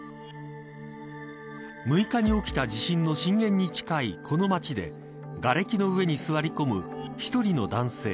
６日に起きた地震の震源に近いこの町でがれきの上に座り込む一人の男性